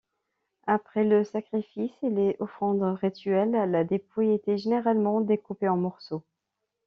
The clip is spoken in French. Après le sacrifice et les offrandes rituelles, la dépouille était généralement découpée en morceaux.